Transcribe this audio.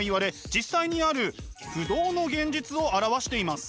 実際にある不動の現実を表しています。